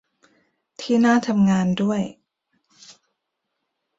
ที่น่าทำงานด้วย